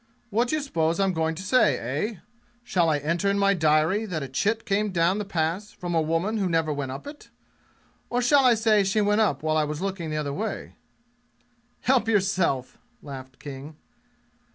"What d'you suppose I'm going to say, eh? Shall I enter in my diary that a chit came down the Pass from a woman who never went up it? Or shall I say she went up while I was looking the other way?" "Help yourself!" laughed King.